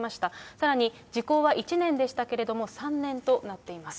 さらに時効は１年でしたけれども、３年となっています。